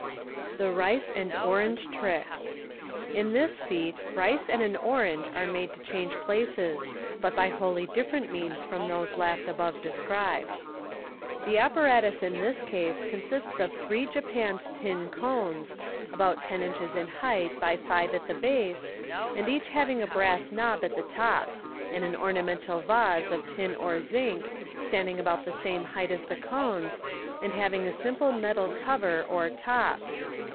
Thb Rice and Orange Trick. — In this feat rice and an orange are made to change places, but by wholly different means from those last above described. The apparatus in this case consists of three japanned tin cones, ■bout ten inches in height by five at the base, and each having a brass knob at the top — and an ornamental vase of tin or zinc, standing *bout the same height as the cones, and having a simple metal cover, 338 MODERN MAGIC. Fig. 164. or top.